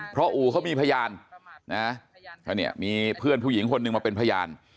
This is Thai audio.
เพราะอู่เขามีพยานนะก็เนี่ยมีเพื่อนผู้หญิงคนหนึ่งมาเป็นพยาน